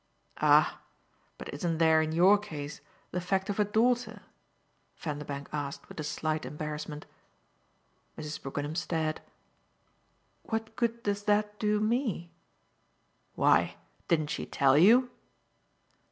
"Ah but isn't there in your case the fact of a daughter?" Vanderbank asked with a slight embarrassment. Mrs. Brookenham stared. "What good does that do me?" "Why, didn't she tell you?"